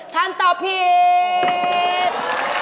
ท่านตอบผิด